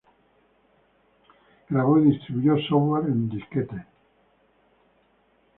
Grabó y distribuyó software en disquetes.